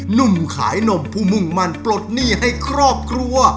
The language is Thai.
หนุ่มขายนมผู้มุ่งมั่นปลดหนี้ให้ครอบครัว